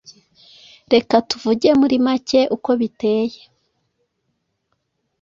Reka tuvuge muri make uko biteye: